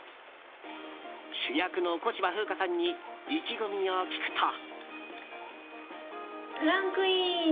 主役の小芝風花さんに意気込みを聞くと。